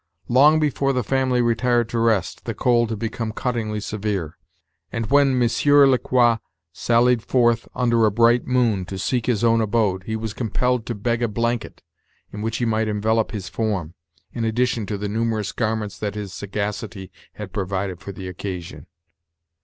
Long before the family retired to rest, the cold had become cuttingly severe; and when Monsieur Le Quoi sallied forth under a bright moon, to seek his own abode, he was compelled to beg a blanket, in which he might envelop c his form, in addition to the numerous garments that his sagacity had provided for the occasion.